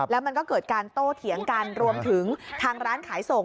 แล้วมันก็เกิดการโต้เถียงกันรวมถึงทางร้านขายส่ง